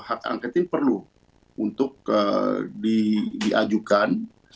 hak angket ini perlu untuk diajukan